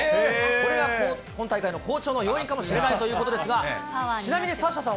これが今大会の好調の要因かもしれないということですが、ちなみえっ？